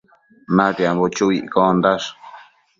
Natiambo chu iccondash